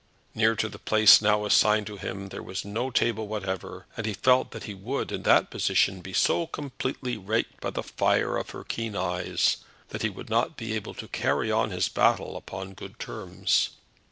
Near to the place now assigned to him there was no table whatever, and he felt that he would in that position be so completely raked by the fire of her keen eyes, that he would not be able to carry on his battle upon good terms.